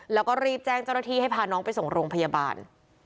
แล้วก็รีบแจ้งเจ้าหน้าที่ให้พาน้องไปส่งโรงพยาบาล